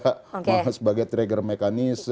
harus bisa sebagai trigger mekanisme